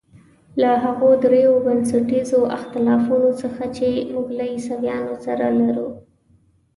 له هغو درېیو بنسټیزو اختلافونو څخه چې موږ له عیسویانو سره لرو.